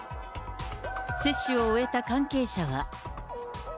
接種を終えた関係者は。